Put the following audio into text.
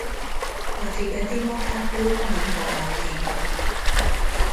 A tibeti makákók nappal aktívak.